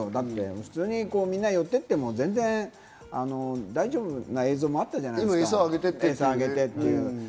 普通にみんな寄ってても全然大丈夫な映像もあったじゃないですか、えさあげてっていう。